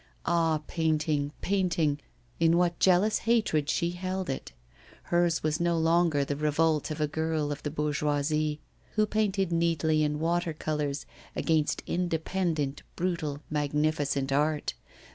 Ah, painting, painting! in what jealous hatred she held it! Hers was no longer the revolt of a girl of the bourgeoisie, who painted neatly in water colours, against independent, brutal, magnificent art.